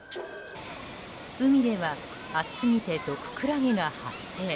海では、暑すぎて毒クラゲが発生。